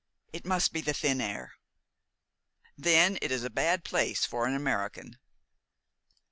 It must be the thin air." "Then it is a bad place for an American."